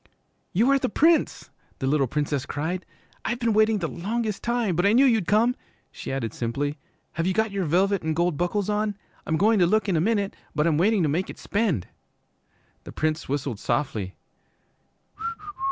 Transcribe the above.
'You are the Prince,' the little Princess cried. 'I've been waiting the longest time, but I knew you'd come,' she added simply. 'Have you got your velvet an' gold buckles on? I'm goin' to look in a minute, but I'm waiting to make it spend.' The Prince whistled softly.